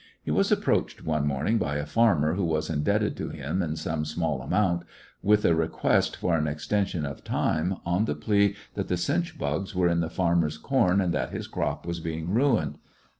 He was approached one morning by a farmer who was indebted to him in some small amount, with a request for an extension of time, on the plea that the chinch bugs were in the farmer's corn and that his crop was being ruined.